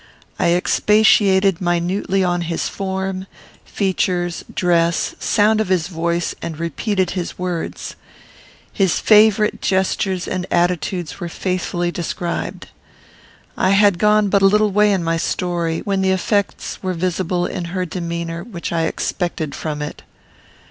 I expatiated minutely on his form, features, dress, sound of his voice, and repeated his words. His favourite gestures and attitudes were faithfully described. I had gone but a little way in my story, when the effects were visible in her demeanour which I expected from it.